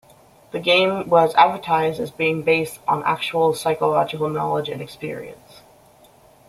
The game was advertised as being based on actual psychological knowledge and experience.